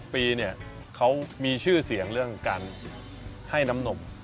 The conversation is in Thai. ปีเนี่ยเขามีชื่อเสียงเรื่องการให้น้ำนม